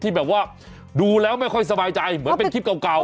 มีคลิปดูแล้วไม่สบายใจเหมือนว่าคลิปเก่า